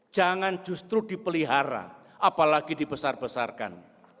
jangan justru dipelihara apalagi dibesar besarkan